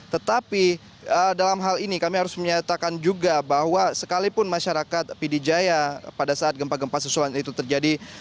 tetapi dalam hal ini kami harus menyatakan juga bahwa sekalipun masyarakat pd jaya pada saat gempa gempa susulan itu terjadi